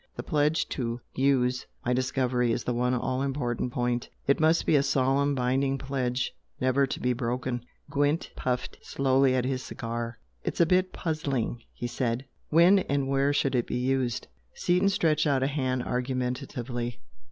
The pledge to USE my discovery is the one all important point it must be a solemn, binding pledge never to be broken." Gwent puffed slowly at his cigar. "It's a bit puzzling!" he said "When and where should it be used?" Seaton stretched out a hand argumentatively.